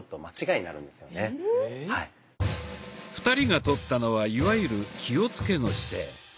２人がとったのはいわゆる「気をつけ」の姿勢。